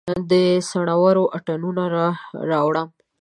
د څنورو اتڼوڼه راوړم